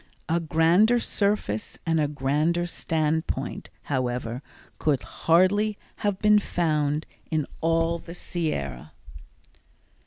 A grander surface and a grander stand point, however, could hardly have been found in all the Sierra.